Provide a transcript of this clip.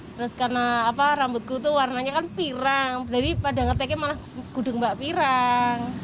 terus karena rambutku itu warnanya kan pirang jadi pada ngeteknya malah gudeng mbak pirang